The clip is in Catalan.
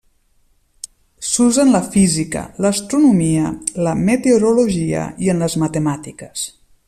S'usa en la física, l'astronomia, la meteorologia i en les matemàtiques.